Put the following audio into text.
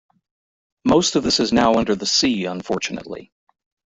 Most of this is now under sea, unfortunately.